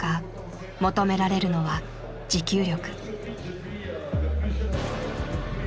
求められるのは持久力。